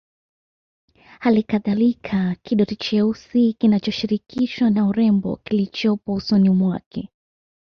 Halikadhalika kidoti cheusi kinachoshirikishwa na urembo kilichopo usoni mwake